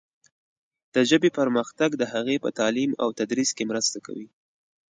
د ژبې پرمختګ د هغې په تعلیم او تدریس کې مرسته کوي.